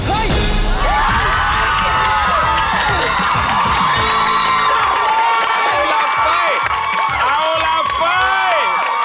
เอาแล้วไป